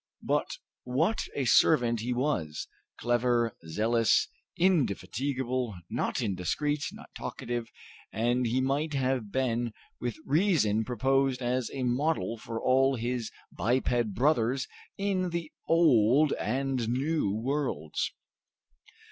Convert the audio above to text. But what a servant he was, clever, zealous, indefatigable, not indiscreet, not talkative, and he might have been with reason proposed as a model for all his biped brothers in the Old and New Worlds!